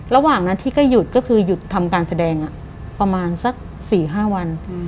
ระหว่างนั้นที่ก็หยุดก็คือหยุดทำการแสดงประมาณสัก๔๕วัน